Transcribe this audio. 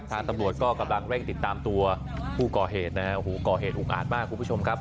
ทางตำรวจก็กำลังเร่งติดตามตัวผู้ก่อเหตุนะฮะโอ้โหก่อเหตุอุกอาจมากคุณผู้ชมครับ